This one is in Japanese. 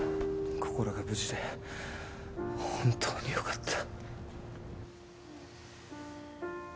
こころが無事で本当によかった。